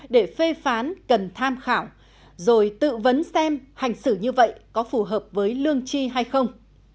để phê phán cần tham khảo rồi tự vấn xem hành xử như vậy có phù hợp với lương tri hay không